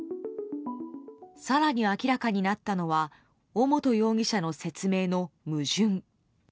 更に明らかになったのは尾本容疑者の説明の矛盾。